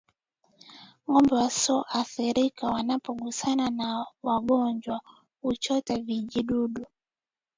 Ngombe wasioathirika wanapogusana na wagonjwa huchota vijidudu